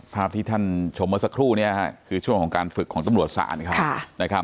ภาพที่ท่านชมเมื่อสักครู่นี้คือช่วงของการฝึกของตำรวจศาลเขานะครับ